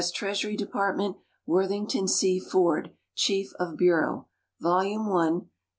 Treasury Department. Wortliington C. Ford, Chief of Bureau. Vol. i, p|..